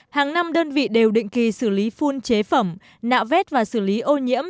hàng năm đơn vị đều định kỳ xử lý phun chế phẩm nạo vét và xử lý ô nhiễm